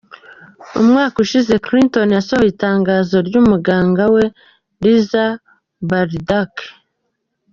Umwaka ushize Clinton yasohoye itangazo ry'umuganga we Lisa Bardack.